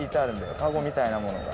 カゴみたいなものが。